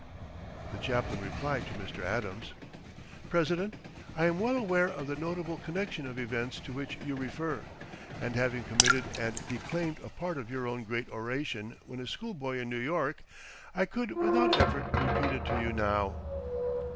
The chaplain replied to Mr. Adams: "President, I am well aware of the notable connection of events to which you refer; and having committed and declaimed a part of your own great oration when a schoolboy in New York, I could without effort repeat it to you now."